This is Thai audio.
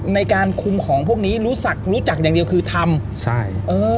ในการคุมของพวกนี้รู้จักรู้จักอย่างเดียวคือทำใช่เออ